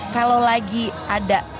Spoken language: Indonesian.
kalau lagi ada